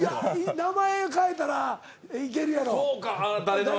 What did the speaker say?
名前変えたらいけるやろ。